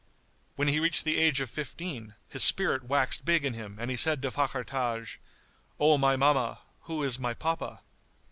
When he reached the age of fifteen, his spirit waxed big in him and he said to Fakhr Taj, "O my mamma, who is my papa?"